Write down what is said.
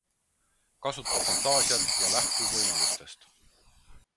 Kasuta fantaasiat ja lähtu võimalustest.